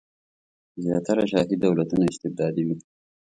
زیاتره شاهي دولتونه استبدادي وي.